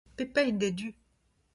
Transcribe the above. Pep hini d'e du.